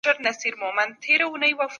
هغه کسان چي له نورو سره عدل کوي، بريالي دي.